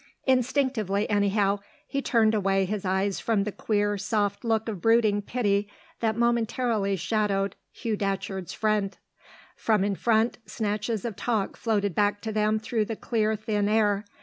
Instinctively, anyhow, he turned away his eyes from the queer, soft look of brooding pity that momentarily shadowed Hugh Datcherd's friend. From in front, snatches of talk floated back to them through the clear, thin air.